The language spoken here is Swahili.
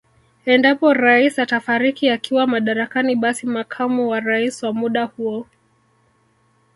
Endapo Rais atafariki akiwa madarakani basi makamu wa Rais wa muda huo